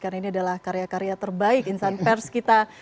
karena ini adalah karya karya terbaik insan pers kita